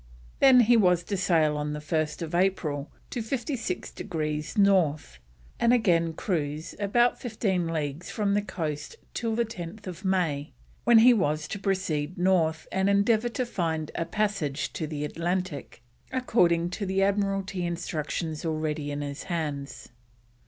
Then he was to sail on 1st April to 56 degrees North, and again cruise about fifteen leagues from the coast till 10th May, when he was to proceed north and endeavour to find a passage to the Atlantic, according to the Admiralty instructions already in his hands.